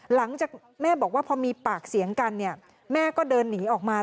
หลังจากแม่บอกว่าพอมีปากเสียงกันเนี่ยแม่ก็เดินหนีออกมา